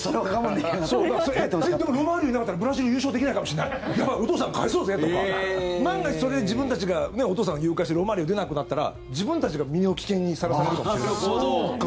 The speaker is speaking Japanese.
ロマーリオがいなかったらブラジル優勝できないかもしれないやばい、お父さん帰そうぜとか万が一、それで自分たちがお父さんを誘拐してロマーリオが出なくなったら自分たちが身の危険にさらされるかもしれない。